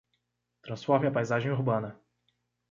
Transforme a paisagem urbana.